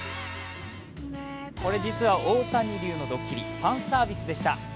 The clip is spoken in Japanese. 実は大谷流のドッキリ、ファンサービスでした。